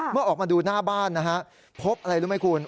เมื่อออกมาดูหน้าบ้านนะฮะพบอะไรรู้ไหมคุณ